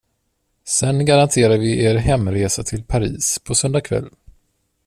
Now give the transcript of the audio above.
Sen garanterar vi er hemresa till Paris, på söndag kväll.